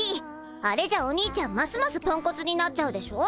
あれじゃお兄ちゃんますますポンコツになっちゃうでしょ。